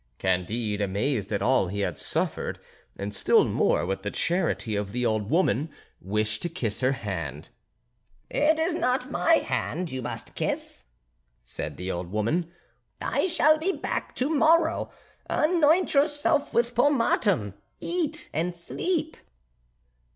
Candide, amazed at all he had suffered and still more with the charity of the old woman, wished to kiss her hand. "It is not my hand you must kiss," said the old woman; "I shall be back to morrow. Anoint yourself with the pomatum, eat and sleep."